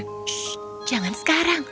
shh jangan sekarang